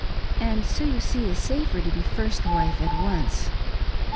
And so you see it is safer to be first wife at once."